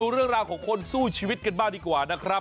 เรื่องราวของคนสู้ชีวิตกันบ้างดีกว่านะครับ